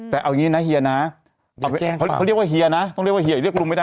แต่เอาอย่างนี้นะเฮียนะเขาเรียกว่าเฮียนะต้องเรียกว่าเฮียเรียกลุงไม่ได้